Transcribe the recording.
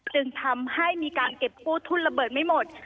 จึงทำให้มีการเก็บกู้ทุนระเบิดไม่หมด